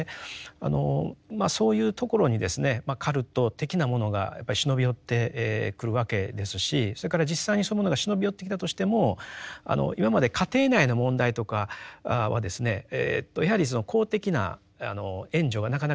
まあそういうところにカルト的なものがやっぱり忍び寄ってくるわけですしそれから実際にそういうものが忍び寄ってきたとしても今まで家庭内の問題とかはですねやはりその公的な援助がなかなかやっぱ入りにくかったですよね。